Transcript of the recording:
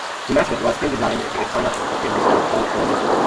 The mascot was then designed to its final appearance by Tor Lindrupsen.